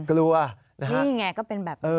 กลัวนี่ไงก็เป็นแบบ